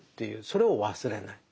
それを忘れない。